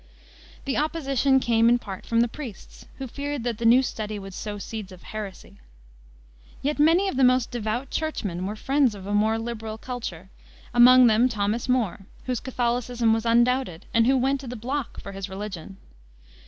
The opposition came in part from the priests, who feared that the new study would sow seeds of heresy. Yet many of the most devout churchmen were friends of a more liberal culture, among them Thomas More, whose Catholicism was undoubted and who went to the block for his religion.